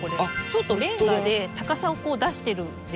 ちょっとレンガで高さを出してるんですね。